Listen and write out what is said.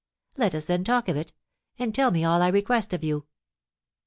Let us then talk of it, and tell me all I request of you."